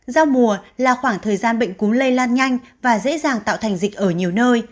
giao mùa là khoảng thời gian bệnh cúm lây lan nhanh và dễ dàng tạo thành dịch ở nhiều nơi